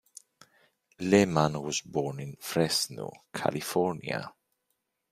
Lehman was born in Fresno, California.